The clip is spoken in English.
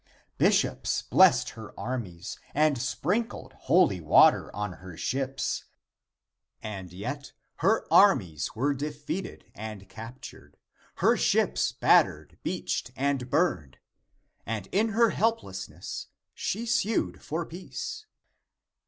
Bishops blessed her armies and sprinkled holy water on her ships, and yet her armies were defeated and captured, lier ships battered, beached and burned, and in her helplessness she sued for peace.